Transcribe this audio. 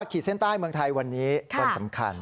ขีดเส้นใต้เมืองไทยวันนี้วันสำคัญ